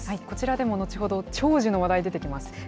こちらでも後ほど長寿の話題が出てきます。